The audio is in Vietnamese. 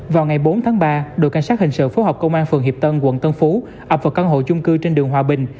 vào ngày bốn tháng ba đội cảnh sát hình sự phố học công an tp hcm quận tân phú ập vào căn hộ chung cư trên đường hòa bình